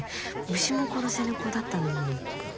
虫も殺せぬ子だったのに。